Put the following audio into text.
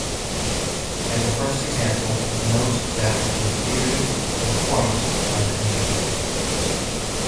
As a first example, note that the -theory of a point are the integers.